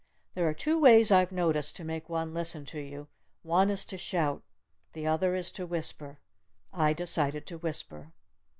There are two ways I've noticed to make one listen to you. One is to shout. The other is to whisper. I decided to whisper.